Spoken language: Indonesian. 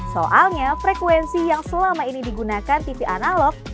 soalnya frekuensi yang selama ini digunakan tv analog